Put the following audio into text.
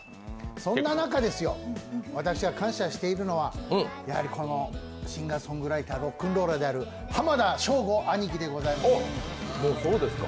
そんな中ですよ、私が感謝しているのはやはりシンガーソングライターロックンローラーである浜田省吾兄貴でございます。